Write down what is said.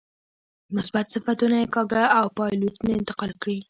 مثبت صفتونه یې کاکه او پایلوچ ته انتقال کړي.